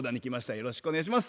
よろしくお願いします。